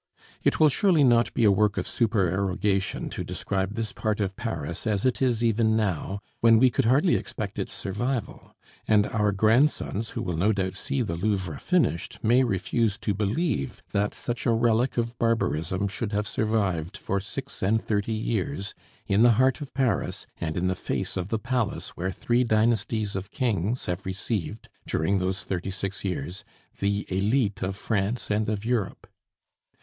It will surely not be a work of supererogation to describe this part of Paris as it is even now, when we could hardly expect its survival; and our grandsons, who will no doubt see the Louvre finished, may refuse to believe that such a relic of barbarism should have survived for six and thirty years in the heart of Paris and in the face of the palace where three dynasties of kings have received, during those thirty six years, the elite of France and of Europe.